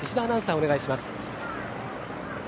お願いします。